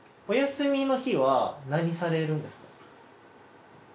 お休みの日は何されるんですか？